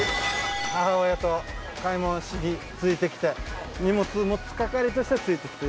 母親と買い物しについてきて荷物持つ係としてついてきて。